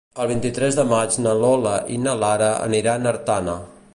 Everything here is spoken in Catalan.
El vint-i-tres de maig na Lola i na Lara aniran a Artana.